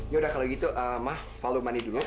yaudah kalau gitu ma valdo mandi dulu